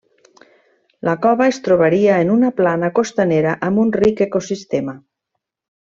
La cova es trobaria en una plana costanera amb un ric ecosistema.